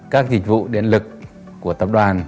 các dịch vụ điện lực của tập đoàn